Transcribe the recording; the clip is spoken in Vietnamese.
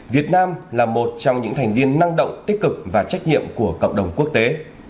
việt nam là một trong những thành viên năng động tích cực và trách nhiệm của cộng đồng quốc tế